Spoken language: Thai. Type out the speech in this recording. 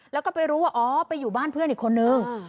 แล้วก็ไปรู้ว่าอ๋อไปอยู่บ้านเพื่อนอีกคนนึง